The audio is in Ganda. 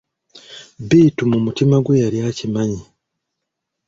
Bittu mu mutima gwe yali akimanyi.